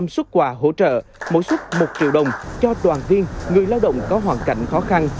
một trăm linh xuất quà hỗ trợ mỗi xuất một triệu đồng cho toàn viên người lao động có hoàn cảnh khó khăn